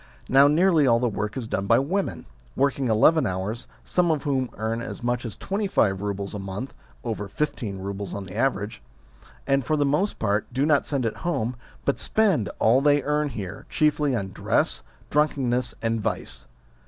Now, nearly all the work is done by women, working eleven hours, some of whom earn as much as twenty five roubles a month (over fifteen roubles on the average), and, for the most part, do not send it home, but spend all they earn here, chiefly on dress, drunkenness, and vice.